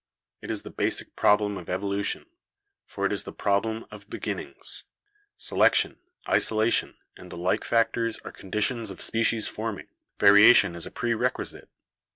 It is the basic problem of evolution, for it is the problem of beginnings. Selection, isolation, and the like factors are conditions of species forming; variation is a prerequisite.